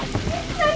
何？